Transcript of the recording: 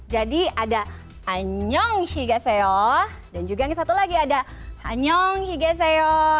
jadi ada anyonghaseyo dan juga satu lagi ada anyonghaseyo